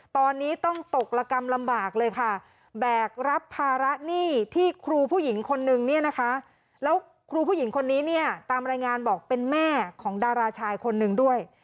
ตอนนี้ต้องตกระกำลำบากเลยค่ะแบกรับภาระหนี้ที่ครูผู้หญิงคนนึงเนี่ยนะคะแล้วครูผู้หญิงคนนี้เนี่ยตามรายงานบอกเป็นแม่ของดาราชายคนนึงด้วย